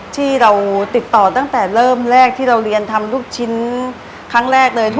ที่เราติดต่อตั้งแต่เริ่มแรกที่เราเรียนทำลูกชิ้นครั้งแรกเลย